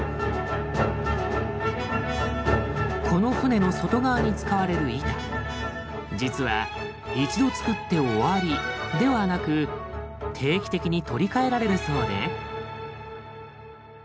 この船の外側に使われる板実は一度つくって終わりではなく定期的に取り替えられるそうで。